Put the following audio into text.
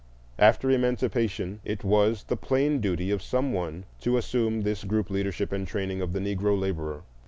After Emancipation, it was the plain duty of some one to assume this group leadership and training of the Negro laborer.